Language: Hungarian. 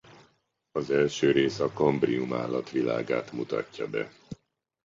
Az első rész a kambrium állatvilágát mutatja be.